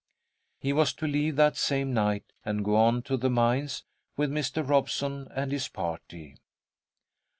He was to leave that same night, and go on to the mines with Mr. Robeson and his party.